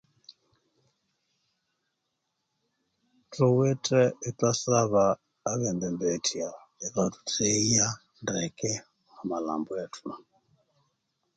Thuwithe ithwasaba bembembethya ibathutheya ndeke omu malhambo ethu